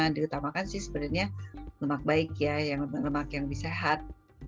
di utama kan sih sebenarnya lemak baik ya yang lebih sehat